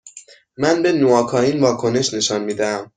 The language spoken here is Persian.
من به نواکائین واکنش نشان می دهم.